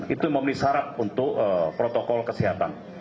itu memenuhi syarat untuk protokol kesehatan